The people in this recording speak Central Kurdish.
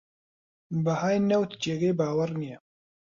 بەهای نەوت جێگەی باوەڕ نییە